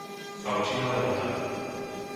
Pavčina Lehota